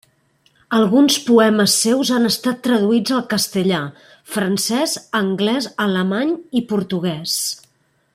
Alguns poemes seus han estat traduïts al castellà, francès, anglès, alemany i portuguès.